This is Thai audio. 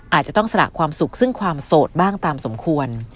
อาจจะต้องสละความสุขซึ่งความโสดบ้างตามสมควร